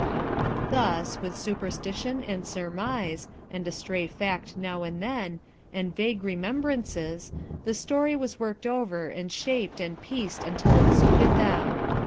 Thus, with supposition and surmise, and a stray fact now and then, and vague remem brances, the story was worked over and duped and pieced until it suited them.